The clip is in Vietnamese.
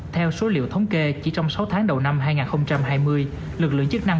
theo số liệu thống kê chỉ trong sáu tháng đầu năm hai nghìn hai mươi lực lượng chức năng